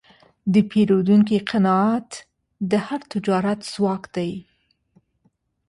د پیرودونکي قناعت د هر تجارت ځواک دی.